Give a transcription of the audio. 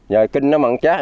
giờ kinh nó mặn chát